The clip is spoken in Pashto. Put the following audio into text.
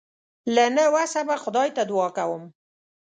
له نه وسه به خدای ته دعا کوم.